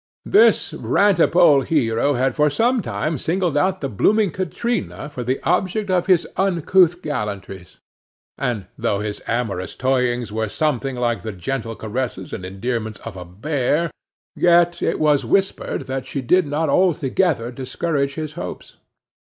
This rantipole hero had for some time singled out the blooming Katrina for the object of his uncouth gallantries, and though his amorous toyings were something like the gentle caresses and endearments of a bear, yet it was whispered that she did not altogether discourage his hopes.